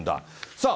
さあ。